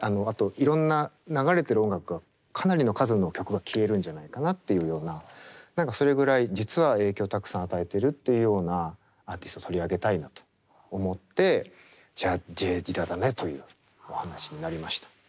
あといろんな流れてる音楽がかなりの数の曲が消えるんじゃないかなっていうような何かそれぐらい実は影響をたくさん与えてるというようなアーティスト取り上げたいなと思ってじゃあＪ・ディラだねというお話になりました。